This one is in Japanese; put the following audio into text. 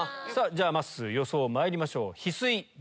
まっすー予想まいりましょう。